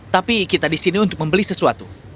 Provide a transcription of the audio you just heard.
tapi kita disini untuk membeli sesuatu